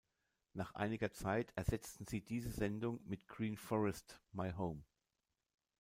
Nach einiger Zeit ersetzten sie diese Sendung mit „Green Forest, My Home“.